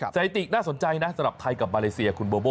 สถิติน่าสนใจนะสำหรับไทยกับมาเลเซียคุณโบโบ